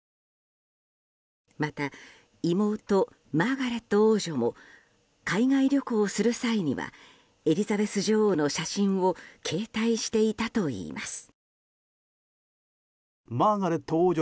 また、妹マーガレット王女も海外旅行をする際にはエリザベス女王の写真を携帯していたといいます。